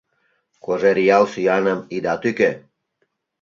Кожеръял сӱаным ида тӱкӧ